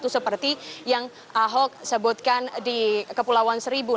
seperti yang ahok sebutkan di kepulauan seribu